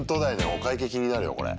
お会計気になるよこれ。